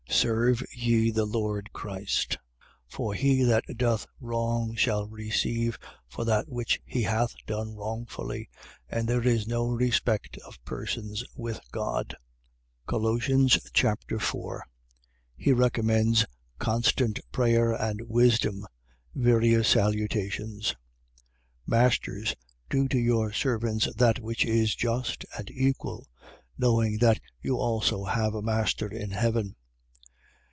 Serve ye the Lord Christ. 3:25. For he that doth wrong shall receive for that which he hath done wrongfully. And there is no respect of persons with God. Colossians Chapter 4 He recommends constant prayer and wisdom. Various salutations. 4:1. Masters, do to your servants that which is just and equal: knowing that you also have a master in heaven.